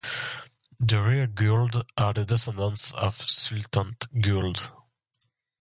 The Reer Guled are the descendants of Sultan Guled.